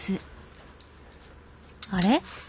あれ？